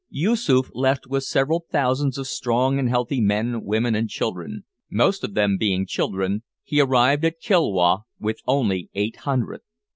Yoosoof left with several thousands of strong and healthy men, women, and children most of them being children he arrived at Kilwa with only eight hundred.